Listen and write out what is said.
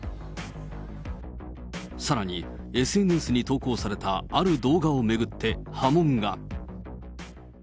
さらに、ＳＮＳに投稿されたある動画を巡って波紋が。